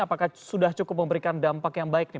apakah sudah cukup memberikan dampak yang baik nih